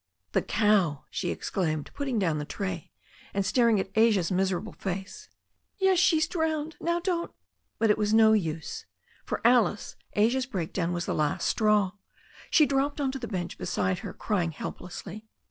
"The cow!" she exclaimed, putting down the tray, and staring at Asia's miserat]|le face. "Yes, she's drowned. Now don't " But it was no use. For Alice, Asia's break down was the last straw. She dropped onto the bench beside her, crying helplessly.